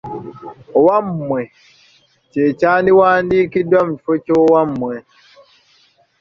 Owammwe kye kyandiwandiikiddwa mu kifo kya Owamwe.